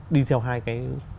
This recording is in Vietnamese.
đi theo hai cái